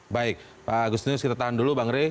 baik pak agustinus kita tahan dulu bang rey